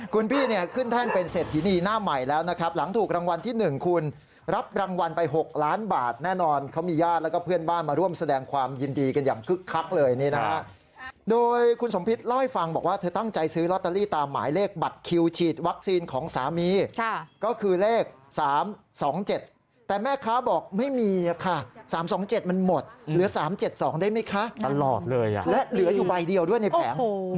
คุณพี่เนี่ยขึ้นแท่นเป็นเสร็จทีนีหน้าใหม่แล้วนะครับหลังถูกรางวัลที่๑คุณรับรางวัลไป๖ล้านบาทแน่นอนเขามีญาติแล้วก็เพื่อนบ้านมาร่วมแสดงความยินดีกันอย่างคึกคักเลยนะครับโดยคุณสมพิษล่อยฟังบอกว่าเธอตั้งใจซื้อลอตเตอรี่ตามหมายเลขบัตรคิวฉีดวัคซีนของสามีค่ะก็คือเลข๓๒๗แต่แม